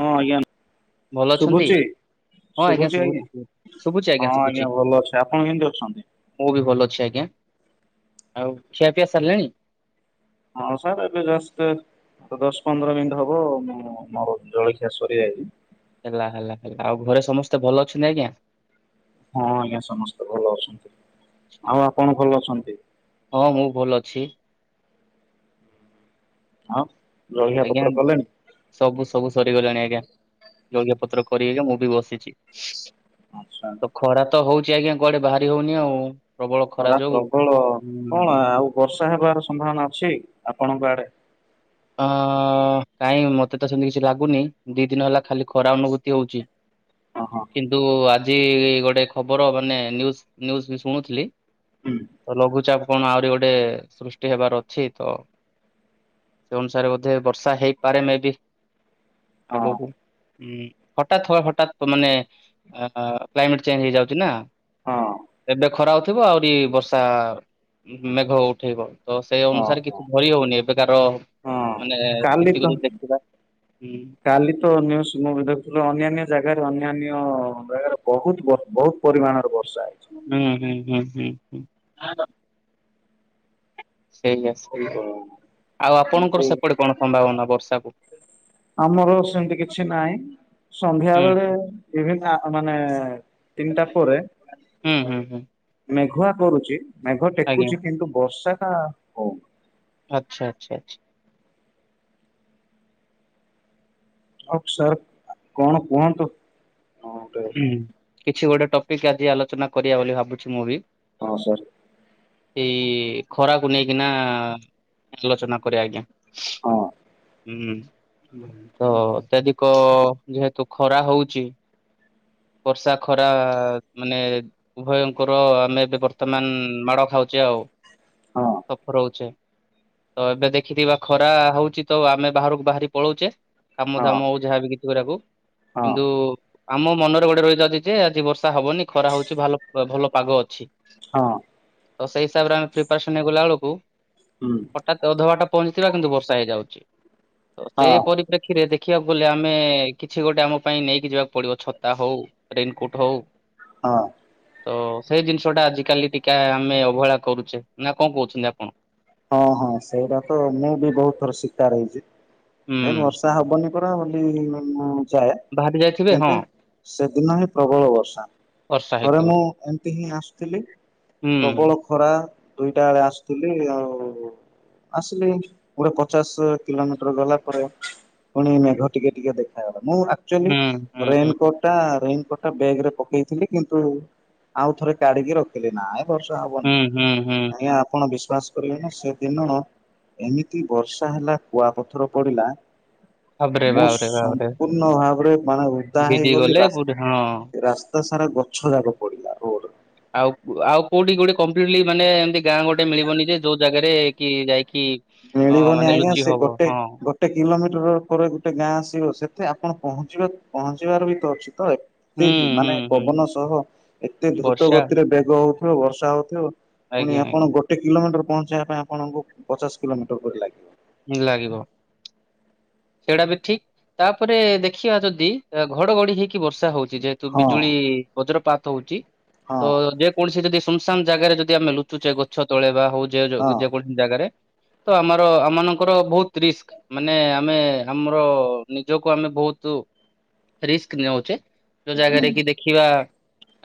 ହଁ ଆଜ୍ଞା- ଭଲ ଅଛନ୍ତି? ଶୁଭୁଛି ହଁ ଆଜ୍ଞା ଶୁଭୁଛି ଶୁଭୁଛି ଆଜ୍ଞା ହଁ ଶୁଭୁଛି ଭଲ ଅଛି ଆପଣ କେମିତି ଅଛନ୍ତି? ମୁଁ ବି ଭଲ ଅଛି ଆଜ୍ଞା। ଆଜ୍ଞା ଆଉ ଖିଆ ପିଆ ସରିଲାଣି? ହଁ ସାର୍ ଏବେ ଜଷ୍ଟ୍ ଦଶ ପନ୍ଦର ମିନିଟ୍ ହବ ମୁଁ ମୋର ଜଳଖିଆ ସରିଯାଇଛି। ହେଲା ହେଲା ହେଲା ଆଉ ଘରେ ସମସ୍ତେ ଭଲ ଅଛନ୍ତି ଆଜ୍ଞା? ହଁ ଆଜ୍ଞା ସମସ୍ତେ ଭଲ ଅଛନ୍ତି। ଆଉ ଆପଣ ଭଲ ଅଛନ୍ତି? ହଁ ମୁଁ ଭଲ ଅଛି। ଆଉ ରହିବା ଆଜ୍ଞା ପତ୍ର କଲେଣି? ସବୁ ସବୁ ସରିଗଲାଣି ଆଜ୍ଞା। ଯଜ୍ଞ ପତ୍ର କରିକି ମୁଁ ବି ବସିଛି। ଆଚ୍ଛା। ତ ଖରା ତ ହଉଛି ଆଜ୍ଞା କୁଆଡେ ବାହାରି ହଉନି ଆଉ। ପ୍ରବଳ ଖରା ଯୋଗୁ। ପ୍ରବଳ ହୁଁ କଣ ଆଉ ବର୍ଷା ହେବାର ସମ୍ଭାବନା ଅଛି ଆପଣଙ୍କ ଆଡେ? ଅଃ। କାଇଁ ମତେ ତ ସେମିତି କିଛି ଲାଗୁନି ଦି ଦିନ ହେଲା ଖାଲି ଖରା ଅନୁଭୂତି ହଉଛି। ହଁ ହଁ କିନ୍ତୁ ଆଜି ଗୋଟେ ଖବର ମାନେ ନ୍ୟୁଜ ନ୍ୟୁଜ ବି ଶୁଣୁଥିଲି ହୁଁ ତ ଲଘୁଚାପ କଣ ଆହୁରି ଗୋଟେ ସୃଷ୍ଟି ହେବାର ଅଛି ତ! ସେ ଅନୁସାରେ ବୋଧେ ବର୍ଷା ହେଇପାରେ ମେ ବି ହଁ ଆଗକୁ। ହୁଁ ହଠାତ୍ ହଠାତ୍ ମାନେ କ୍ଲାଇମେଟ ଚେଞ୍ଜ ହେଇଯାଉଛି ନା। ହଁ ଏବେ ଖରା ହଉଥିବ ଆହୁରି ବର୍ଷା ଉମ୍ ମେଘ ଉଠେଇବ। ତ ସେଇ ଅନୁସାରେ ହଁ କିଛି ଧରି ହଉନି ଏବେକାର ହଁ ମାନେ କାଲି ତ ସ୍ଥିତିକୁ ଯଦି ଦେଖିବା ହୁଁ କାଲି ତ ନ୍ୟୁଜ ମୁଁ ଦେଖୁଥିଲି ଅନ୍ୟାନ୍ୟ ଜାଗାରେ ଅନ୍ୟାନ୍ୟ ବେଳରେ ବହୁତ ବହୁତ ପରିମାଣର ବ ହୁଁ ହୁଁ ହୁଁ ହୁଁ ହୁଁ [inaudible] ସେଇୟା ସେଇୟା ଆଉ କିନ୍ତୁ ଆପଣଙ୍କର ସେପଟେ କଣ ସମ୍ଭାବନା ବର୍ଷାକୁ? ଆମର ସେମିତି କିଛି ନାହିଁ ହୁଁ। ସନ୍ଧ୍ୟାବେଳେ ବିଭିନ୍ନ ଆ ମାନେ ତିନିଟା ହୁଁ ପରେ ହୁଁ ହୁଁ ହୁଁ। ମେଘୁଆ କରୁଛି ମେଘ ଆଜ୍ଞା ଟେକୁଛି କିନ୍ତୁ ବର୍ଷାଟା ହଉନି। ଆଚ୍ଛା ଆଚ୍ଛା ଆଚ୍ଛା ଆଉ ସାର୍ କଣ କୁହନ୍ତୁ? ହଁ ଗୋଟେ ହୁଁ କିଛି ଗୋଟେ ଟପିକ୍ ଆଜି ଆଲୋଚନା କରିବା ବୋଲି ଭାବୁଛି ମୁଁ ବି ହଁ ସାର୍ ସେଇ ଖରାକୁ ନେଇକିନା ଆଲୋଚନା କରେ ଆଜ୍ଞା। ହଁ [unintelligible] ହୁଁ ଉମ୍ ତ ଅତ୍ୟଧିକ ଯେହେତୁ ଖରା ହଉଛି। [inaudible] ବର୍ଷା ଖରା ମାନେ ଉଭୟଙ୍କର ଆମେ ଏବେ ବର୍ତ୍ତମାନ ମାଡ଼ ଖାଉଛେ ଆଉ। ହଁ ସଫର୍ ହଉଛେ। ତ ଏବେ ଦେଖିଥିବା ଖରା ହଉଛି ତ ଆମେ ବାହାରକୁ ବାହାରି ପଳଉଛେ। କାମ ହଁ ଦାମ ଆଉ ଯାହାବି କିଛି କରିବାକୁ ହଁ କିନ୍ତୁ ଆମ ମନରେ ଗୋଟେ ରହିଯାଇଛି ଯେ ଆଜି ବର୍ଷା ହବନି ଖରା ହଉଛି ଭଲ ଭଲ ପାଗ ଅଛି। ହଁ ତ ସେଇ ହିସାବରେ ଆମେ ପ୍ରିପ୍ରାସନ୍ ହେଇଗଲା ବେଳକୁ ହୁଁ ହଠାତ୍ ଅଧ ବାଟ ପହଞ୍ଚିଥିବା କିନ୍ତୁ ବର୍ଷା ହେଇଯାଉଛି। ତ ସେ ହଁ ପରିପ୍ରେକ୍ଷୀରେ ଦେଖିବାକୁ ଗଲେ ଆମେ କିଛି ଗୋଟେ ଆମ ପାଇଁ ନେଇକି ଯିବାକୁ ପଡିବ ଛତା ହଉ ରେନିକୋଟ୍ ହଉ ହଁ, ତ ସେଇ ଜିନିଷ ଟା ଆଜିକାଲି ଟିକେ ଆମେ ଅବହେଳା କରୁଛେ ନା କଣ କହୁଛନ୍ତି ଆପଣ। ହଁ ହଁ ସେଇଟା ତ ମୁଁ ବି ବହୁତ ଥର ଶିକାର ହେଇଛି ହେ ହୁଁ ବର୍ଷା ହବନି। ରା ବୋଲି ମୁଁ ଯାଏ ବାହାରି ଯାଇଥିବେ ହଁ କିନ୍ତୁ ସେଦିନ ହିଁ ପ୍ରବଳ ବର୍ଷା। ବର୍ଷା ଥରେ ହେଇଥିବ ମୁଁ ଏମିତି ହିଁ ଆସୁଥିଲି ହୁଁ। ପ୍ରବଳ ଖରା ଦୁଇଟା ବେଳେ ଆସୁଥିଲି ଆଉ ଆସିଲି ଗୋଟେ ପଚାଶ କିଲୋମିଟର ଗଲା ପରେ ପୁଣି ମେଘ ଟିକେ ଟିକେ ଦେଖାଗଲା ମୁଁ ଆକଚୁଆଲି ହୁଁ ହୁଁ ହୁଁ ରେନକୋଟ ଟା ରେନ ଗୋଟେ ବ୍ୟାଗ ରେ ପକେଇଥିଲି କିନ୍ତୁ ଆଉ ଥରେ କାଢିକି ରଖିଲି ନାଇଁ। ବର୍ଷା ହବନି ହୁଁ ହୁଁ ହୁଁ ଆଜ୍ଞା ଆପଣ ବିଶ୍ଵାସ ସେ ଦିନ ଏମିତି ବର୍ଷା ହେଲା କୁଆପଥର ପଡିଲା, ବାବରେ ମୁଁ ବାବରେ ବାବରେ ସମ୍ପୂର୍ଣ୍ଣ ଭାବରେ ମାନେ ଉଧା ଭିଜି ହେଇଗଲି ଗଲେ ପୁଣି ହଁ। ରାସ ତ ସାରା ଗଛ ଯାକ ପଡିଲା ରୋଡରେ ଆଉ ଆଉ କୋଉଠି ଗୋଟେ କମ୍ପ୍ଟଲି ମାନେ ଏମତି ଗାଁ ଗୋଟେ ମିଳିବନି ଯେ ଯୋଉ ଜାଗାରେ କି ଯାଇ ମିଳିବନି ଆଜ୍ଞା ସେ ଗୋଟେ ହଁ ଗୋଟେ କିଲୋମିଟର ପରେ ଗୋଟେ ଗାଁ ଆସିବ ସେତେ ଆପଣ ପହଞ୍ଚିବା ପହଞ୍ଚିବାର ବି ତ ଅଛି। ତ ହୁଁ ଏତେ ହୁଁ ମାନେ ହୁଁ। ପବନ ସହ ଏତେ ଦ୍ରୁତ ବର୍ଷା ଗତିରେ ବେଗ ହଉଥିବ ବର୍ଷା ହଉଥିବ ପୁଣି ଆଜ୍ଞା ଆପଣ ଆଜ୍ଞା ଗୋଟେ କିଲୋମିଟର ପହଞ୍ଚେଇବା ପାଇଁ ଆପଣଙ୍କୁ ପଚାଶ କିଲୋମିଟର ପରି ଲାଗିବ। ଲାଗିବ। ସେଇଟା ବି ଠିକ ତାପରେ ଦେଖିବା ଯଦି ଘଡଘଡି ହେଇ ବର୍ଷା ହଉଛି ଯେହେତୁ ହଁ ବିଜୁଳି ବଜ୍ରପାତ ହଉଛି ହଁ ତ ଯେକୌଣସି ଯଦି ଶୂନଶାନ ଜାଗାରେ ଯଦି ଆମେ ଲୁଚୁଚେ ଗଛ ତଳେ ବା ହଉ ଯେ ହଁ ଯେକୌଣସି ଜାଗାରେ ତ ଆମର ଆମ ମାନଙ୍କର ବହୁତ ରିସ୍କ ମାନେ ଆମେ ଆମର ନିଜକୁ ଆମେ ବହୁତ ରିସ୍କ ନଉଚେ ଯୋଉ ହୁଁ ଜାଗାରେ କି ଦେଖିବା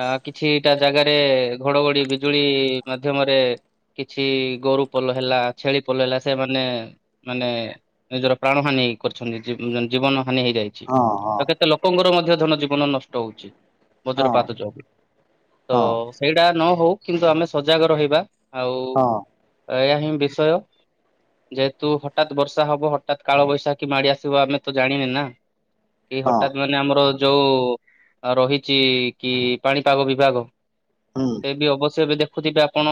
ଆ କିଛିଟା ଜାଗାରେ ଘଡଘଡି ବିଜୁଳି ମାଧ୍ୟମରେ କିଛି ଗୋରୁ ପଲ ହେଲା ଛେଳି ପଲ ହେଲା ସେମାନେ ମାନେ ନିଜର ପ୍ରାଣ ହାନି କରିଛନ୍ତି ଜୀବନ ହାନି ହେଇଯାଇଛି ହଁ ହଁ ତ କେତେ ଲୋକଙ୍କର ମଧ୍ୟ ଧନ ଜୀବନ ନଷ୍ଟ ହଉଛି ହଁ ବଜ୍ରପାତ ଯ ତ ହଁ ସେଇଟା ନ ହଉ କିନ୍ତୁ ଆମେ ସଜାଗ ରହିବା ଆଉ ହଁ ଏଇହିଁ ବିଷୟ ଯେହେତୁ ହଠାତ ବର୍ଷା ହବ ହ ହଠାତ କାଳ ବୈଶାଖ କି ମାଡି ଆସିବ ଆମେ ତ ଜାଣିବେ ନା କି ହଁ ହଠାତ ମାନେ ଆମର ଯଉ ରହିଛି କି ପାଣିପାଗ ବିଭାଗ ହୁଁ ଏ ବି ଅବଶ୍ୟ ଏବେ ଦେଖୁଥିବେ ଆପଣ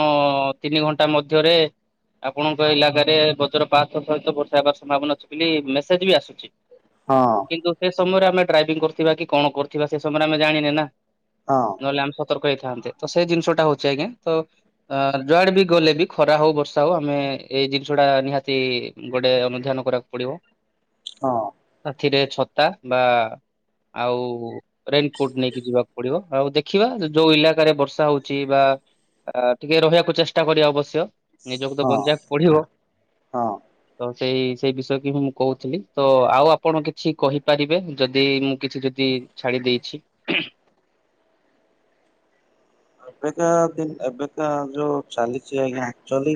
ତିନି ଘଣ୍ଟା ମଧ୍ୟରେ ଆପଣଙ୍କ ଇଲାକାରେ ବଜ୍ର ପା ଥ ସହିତ ବର୍ଷା ହେବାର ସମ୍ଭାବନା ଅଛି ବୋଲି ମେସେଜ୍ ବି ଆସୁଛି। ହଁ, ଅଁ, କିନ୍ତୁ ସେ ସମୟରେ ଆମେ ଡ୍ରାଇଭିଂ କରିୁଥିବା କି କଣ କରୁଥିବା ସେ ସମୟରେ ଆମେ ଜାଣିନେ ନା ହଁ ନହେଲେ ଆମେ ସ ସତର୍କ ହେଇଥାନ୍ତେ ତ ସେ ଜିନିଷ ଟା ହଉଛି ଆଜ୍ଞା ତ ଅ ଯୁଆଡେ ବି ଗଲେ ବି ଖରା ହଉ ବର୍ଷା ହଉ ଆମେ ଏଇ ଜିନିଷ ଟା ନିହାତି ଗୋଟେ ଅନୁଧ୍ୟାନ କରିବାକୁ ପଡିବ। ହଁ, ଏଥିରେ ଛତା ବା ଆଉ ରେନକୋଟ ନେଇକି ଯିବାକୁ ପଡିବ। ଆଉ ଦେଖିବା ଯୋଉ ଇଲାକାରେ ବର୍ଷା ହଉଛି ବା ଟିକେ ରହିବାକୁ ଚେଷ୍ଟା କରିବା ଅବଶ୍ୟ। ନିଜକୁ ତ ହଁ ବଞ୍ଜାକୁ ପଡିବ ହଁ ତ ସେଇ ସେଇ ବିଷୟ କି ହିଁ ମୁଁ କହୁଥିଲି ତ ଆଉ ଆପଣ କିଛି କହିପାରିବେ ଯଦି ମୁଁ କିଛି ଯଦି ଛାଡିି ଦେଇଛି। ହ ଏବେକା ଏବେକା ଯୋଉ ଚାଲିଛି ଆଜ୍ଞା ଆକଚୁଆଲି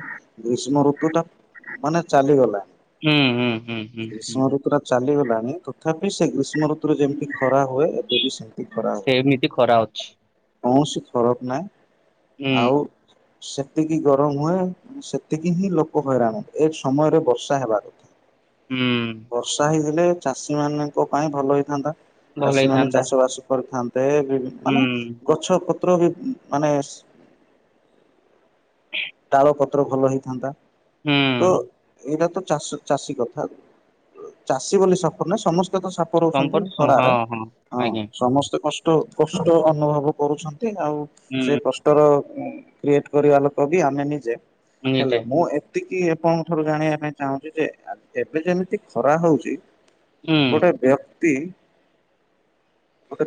ଗ୍ରୀଷ୍ମ ଋତୁଟା ମାନେ ଚାଲିଗଲା। ହୁଁ ହୁଁ। ହୁଁ ହୁଁ ଗ୍ରୀଷ୍ମ ଋତୁଟା ଚାଲିଗଲାଣି ତଥାପି ସେ ଗ୍ରୀଷ୍ମ ଋତୁ ଋତୁରେ ଯେମିତି ଖରା ହୁଏ ଏବେବି ସେମତି ଖରା ହୁଏ। ସେମିତି ଖରା ଅଛି କୌଣସି ଫରକ ନାହିଁ। ହୁଁ ଆଉ ସେତିକି ଗରମ ହୁଏ ସେତିକି ହିଁ ଲୋକ ହଇରାଣନ୍ତି ଏ ସମୟରେ ବର୍ଷା ହେବା କଥା। ହୁଁ। ଲେ ଚାଷୀ ମାନଙ୍କ ପାଇଁ ଭଲ ହେଇଥାନ୍ତା ଭଲ ଚାଷୀ ମାନେ ହେଇଥାନ୍ତା ଚାଷ ବାସ କରିଥାନ୍ତେ। ସେ ବି ହୁଁ ମାନେ, ଗଛ ପତ୍ର ବି ମାନେ ତାଳ ପତ୍ର ଭଲ ହେଇଥାନ୍ତା। ହୁଁ ତ ଏଇଟା ତ ଚାଷୀ କଥା ଚାଷୀ ବୋଲି ସଫର ନାହିଁ ସମସ୍ତେ ତ ସାପ ରହୁଛନ୍ତି ସମ୍ପର୍କ ସମ- ହଁ ଖରାରେ ହଁ ଆଜ୍ଞା ସମସ୍ତେ କଷ୍ଟ କଷ୍ଟ ଅନୁଭବ କରୁଛ ନ୍ତି ଆଉ ହୁଁ ସେ କଷ୍ଟର ୱେଟ କରିବା ଲୋକ ବି ଆମେ ନିଜେ। ହେଲେ ନିଜେ ମୁଁ ଏ ଏତିକି ଆପଣଙ୍କ ଠାରୁ ଜାଣିବା ପାଇଁ ଚାହୁଁଛି ଯେ, ଏବେ ଯେମିତି ଖରା ହଉଛି ହୁଁ ଗୋଟେ ବ୍ୟକ୍ତି ଗୋଟେ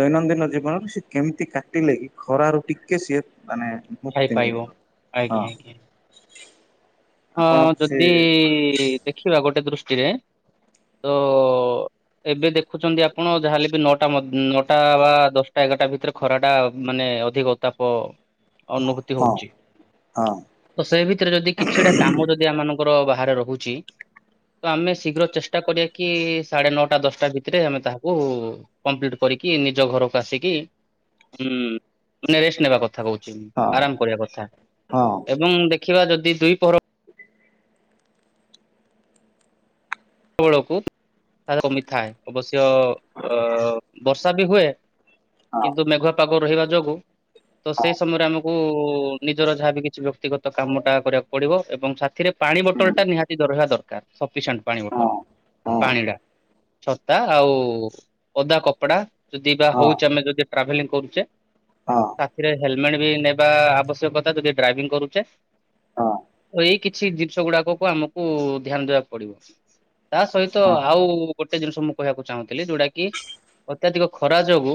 ଦୈନନ୍ଦିନ ଜୀବନରେ ସେ କେମିତି କାଟିଲେ କି ଖରାରୁ ଟିକେ ସିଏ ମାନେ ମୁକ୍ତି ଖାଇପାରିବ ମିଳିବ। ଆଜ୍ଞା ହଁ ଆଜ୍ଞା। ହଁ ଆପଣ ସେ ଯଦି ଦେଖିବା ଗୋଟେ ଦୃଷ୍ଟିରେ ତ ଏବେ ଦେଖୁଛନ୍ତି ଆପଣ ଯାହାେଲେ ବି ନଅଟା ମ-ନଅଟା ବା ଦଶଟା ଏଗାରଟା ଭିତରେ ଖରାଟା ମାନେ ଅଧିକ ତାପ ଅନୁଭୂତି ହଁ ହଉଛି ହଁ ତ ସେ ଭିତରେ ଯଦି କିଛିଟା କାମ ଯଦି ଆମମାନଙ୍କୁ କର ବାହାରେ ରହୁଛି, ତ ଆମେ ଶୀଘ୍ର ଚେଷ୍ଟା କରିବା କି, ସାଢେ ନଅଟା ଦଶଟା ଭିତରେ ଆମେ ତାହାକୁ କମ୍ପ୍ଲିଟ କରି କି ନିଜ ଘରକୁ ଆସିକି ଉଁ ରେଷ୍ଟ ନେବା କଥା କହୁ ଚି ହଁ ଆରାମ କରିବା କଥା। ହଁ ଏବଂ, ଦେଖିବା ଯଦି ଦୁଇ ପହର ବେଳକୁ [unintelligible] କମିଥାଏ, ଅବଶ୍ୟ ଅ ବର୍ଷା ବି ହୁଏ ହଁ କିନ୍ତୁ ମେଘୁଆ ପାଗ ରହିବା ଯୋଗୁ ତ ସେଇ ସମୟରେ ଆମକୁ କୁ ନିଜର ଯାହାବ କିଛି ବ୍ୟକ୍ତିଗତ କାମ ଟା କରିବାକୁ ପଡିବ। ଏବଂ ସାଥିରେ ପାଣି ହଁ। ବୋଟଲ ଟା ନିହାତି ଦରହିବା। ଦରକାର ସଫିସେଣ୍ଟ ପାଣି ବୋ ଟଲ ପାଣି ଟା ଛତା ଆଉ ଓଦା କପଡା ଯଦି ବା ହଉଛେ ଆମେ ଯଦି ଟ୍ରାଭେଲିଂ କରୁଛେ ସାଥିରେ ହେଲ୍ପ ନେବା ଆବଶ୍ୟକତା ଯଦି ଡ୍ରାଇଭିଂ କରୁଛେ। କିଛି ଜିନିଷ ଗୁଡାକକୁ ଆମକୁ ଧ୍ୟାନ ଦବାକୁ ପଡିବ। ତା ସହିତ ଆଉ ଗୋଟେ ଜିନିଷ ମୁଁ କହିବାକୁ ଚାହୁଁଥିଲି ଯୋଉଟା କି ଅତ୍ୟଧିକ ଖରା ଯୋଗୁ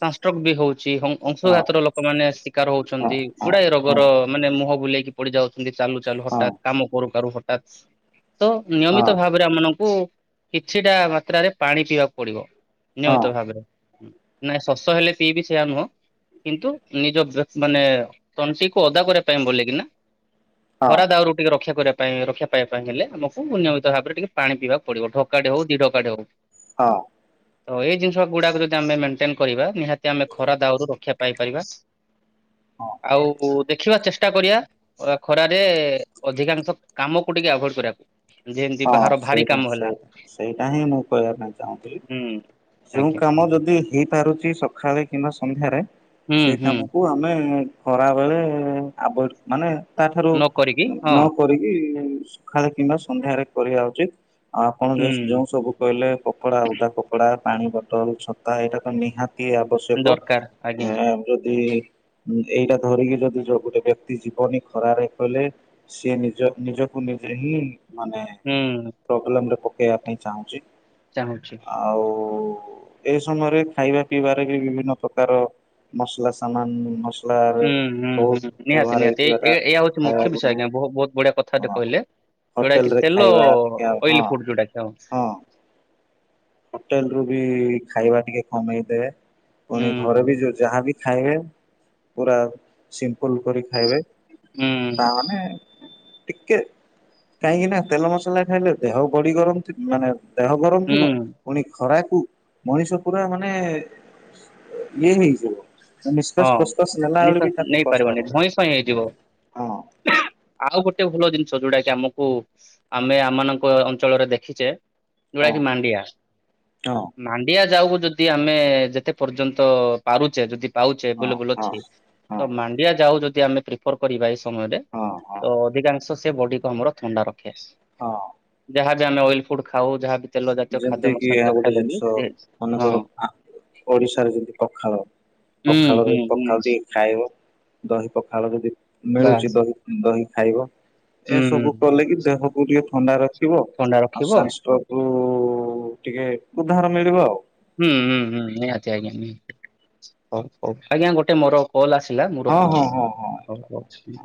ସଂଷ୍ଟୋକ ବି ହଉଛି। ଛି ଅଂଶଘାତର ଲୋକ ମାନେ ଶିକାର ହଉଛନ୍ତି। ଗୁଡାଏ ରୋଗର, ମାନେ ମୁହଁ ବୁଲେଇକି ପଡି ଯାଉଛନ୍ତି। ଚାଲୁ ଚାଲୁ ହଠାତ, କାମ କରୁ କରୁ ହଠାତ, ତ ନିୟମିତ ଭାବରେ ଆମମାନ କିଛିଟା ମାତ୍ରାରେ ପାଣି ପିଇବାକୁ ପଡିବ ନିୟମିତ ଭାବରେ। ନାଇଁ ଶଶ ହେଲେ ପିଇ ବି ସେଇୟା ନୁହଁ। କିନ୍ତୁ ନିଜ ଡ୍ରେସ ମାନେ ତଂଶି କୁ ଅଦା ପରେ ପାନ୍ ବୋଲେ କିନା ଖରା ଦାଉରୁ ଟିକେ ରକ୍ଷା କରିବା ପାଇଁ ରକ୍ଷା ପାଇବା ପାଇଁ ହେଲେ ଆମକୁ ନି ମିତ ଭାବରେ ଟିକେ ପାଣି ପିଇକୁ ପଡିବ। ଢୋକାଟେ ହଉ ଦିଢୋକାଟେ ହଉ। ହଁ। ତ ଏଇ ଜିନିଷ ଗୁଡାକୁ ଯଦି ଆମେ ମେଣ୍ଟେନ କରିବା ନିହାତି ଆମେ ଖରା ଦାଉରୁ ରକ୍ଷା ପାଇପାରିବା। ହଁ। ଆଉ ଦେଖିବା ଚେଷ୍ଟା କରିବା ଖରାରେ ଅଧିକାଂଶ କାମକୁ ଟିକେ ଆଭଏଡ କରିବାକୁ ଯେମିତି ହଁ ବାହାର ଭାରି ସେଇଟା କାମ ହେଲା ସେଇଟା ସେଇଟା ହିଁ ମୁଁ କହିବା ପାଇଁ ଚାହୁଁଥିଲି। ହୁଁ ଯୋଉ ଆଜ୍ଞା କାମ ଯଦି ହେଇପାରୁଛି ସକାଳେ କିମ୍ବା ସନ୍ଧ୍ୟାରେ ହୁଁ ସେ ହୁଁ କାମକୁ ଆମେ ଖରା ବେଳେ ଆବ ମାନେ ତାଠାରୁ ନ କରିକି ହଁ ନ କରିକି ସକାଳେ କିମ୍ବା ସନ୍ଧ୍ୟାରେ କରିବା ଉଚିତ ଆଉ ଆପଣ ହୁଁ ଯୋଉ ସବୁ କହିଲେ କପଡା ଉଦା କପଡା ପାଣି ବୋଟଲ ଛତା ଏଇଟା ତ ନିହାତି ଅତି ଆବଶ୍ୟକ ଦରକାର ଆଜ୍ଞା ଆ ଯଦି ଏଇଟା ଧରିକି ଯଦି ଯୋଉ ଗୋଟେ ବ୍ୟକ୍ତି ଜୀବନି ଖରାାରେ କଲେ ସିଏ ନିଜ ନିଜ ମି ହିଁ ହୁଁ। ହୋଟେଲ ଆମେ ପକେଇବା ପାଇଁ ଚାହୁଁଛି ଚାହୁଁଛି ଆଉ। ଏଇ ସମୟରେ ଖାଇବା ପିଇବାରେ ବି ବିଭିନ୍ନ ପ୍ରକାର ମସଲା ସମାନସ ହୁଁ ହୁଁ ହୁଁ ନିହାତି ନିହାତି ହେଇଥିବାଟା ଏଇୟ ହଉଛି ମୁଖ୍ୟ ଖାଇବାକୁ ବିଷୟ ନାହିଁ ଆଜ୍ଞା ବହୁତ ବହୁତ ବଢିଆ କଥାଟେ ହଁ କହିଲେ ଯୋଉଟା ହୋଟେଲ କି ରେ ତେଲ ଖାଇବା ଟିକେ ଆଉ ହଁ ଅଏଲି ଫୁଡ ଯୋଉଟା କି ହ ହଁ ହୋଟେଲ ରୁ ବି ଖାଇବା ଟିକେ କମେଇଦବେ ପୁଣି ଘରେ ହୁଁ ବି ଯଉ ଯାହାବି। ଖାଇବେ ପୁରା ସିମ୍ପଲ କରି ଖାଇବେ ହୁଁ ତାମାନେ ଟିକେ କାହିଁକି ନା ତେଲ ମସଲା ଖାଇଲେ ଦେହ ବଡି ଗରମ ମାନେ। ଦେହ ଗରମ ହୁଁ ପୁଣି ଖରାକୁ ମଣିଷ ପୁରା ମାନେ ଇଏ ହେଇଯିବ। ହଁ ନିଶ୍ୱାସ ପ୍ରଶ୍ୱାସ ନେଲା ବେଳେ ନିଶା ବି ତାକୁ କଷ୍ଟ ନେଇପାରିବନି ହବ ଧଇଁ ସଇଁ ହେଇଯିବ। ହଁ ଆଉ ଗୋଟେ। ଭଲ ଜିନିଷ ଯୋଉଟା କି ଆମକୁ ଆମେ ଆମମାନଙ୍କ ଅଞ୍ଚଳରେ ଦେଖିଛେ ଯୋଉଟା ହଁ କିି ମାଣ୍ଡିଆ ହଁ। ମାଣ୍ଡିଆ ଯାଉକୁ ଯଦି ଆମେ ଯେତେ ପର୍ଯ୍ୟନ୍ତ ପାରୁଛେ ଯଦି ପାଉଛିେ ହଁ ଏଭଲେବୁଲ ହଁ ଅଛି ହଁ ତ ମାଣ୍ଡିଆ ଯାଉ ଯଦି ଆମେ ପ୍ରିଫର କରିବା। ସମୟରେ ହଁ ହଁ ତ ଅଧିକାଂଶ ସେ ବଡି କ ଆମର ଥଣ୍ଡା ରଖି ଆସ ହଁ ଯାହା। ଆମେ ଅଏଲ ଫୁଡ ଖାଉ ଯାହାବି ତେଲ ଜାତୀୟ ଯେମିତି ଖାଦ୍ୟ କିି ମସା ଏହା ଗୋଟେ ଖାଇଲେ ଜିନିଷ ବି ହଁ ମନେକର ଓଡିଶାରେ ଯମିତି ପଖାଳ ହୁଁ ପଖାଳରେ ହୁଁ ହୁଁ ପଖାଳ ଟିକ ଖାଇବ ଦହି ପଖାଳ ଯଦି ମିଳୁଛି ବାସ୍ ଦହି ଦହି ଖାଇବ। ହୁଁ ଏସବୁ କଲେ କିି ଦେହକୁ ଟିକେ ଥଣ୍ଡା ରଖିବ ଥଣ୍ଡା ଆଉ ରଖିବ ଶାସ୍। ଟିକେ ଉଦ୍ଧାର ମିଳିବ ଆଉ ହୁଁ ହୁଁ ହୁଁ ନିହାତି ଆଜ୍ଞା ନିତି ହଉ ହଉ ଆଜ୍ଞା ଗୋଟେ ମୋର କଲ୍ ଆସିଲା ମୁଁ ହଁ ହଁ ରଖୁଛି ହଁ ହଁ ହଉ ହଉ